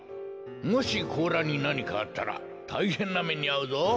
もしこうらになにかあったらたいへんなめにあうぞ。